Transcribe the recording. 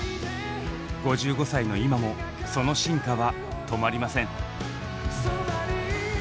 ５５歳の今もその進化は止まりません。